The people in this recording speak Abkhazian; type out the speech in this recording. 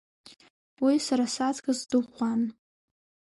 Уи сара саҵкыс дыӷәӷәан.